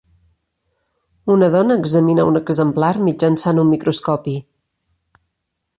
Una dona examina un exemplar mitjançant un microscopi.